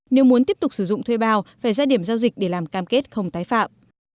nếu muốn tiếp tục sử dụng thuê bao phải ra điểm giao dịch để làm cam kết không tái phạm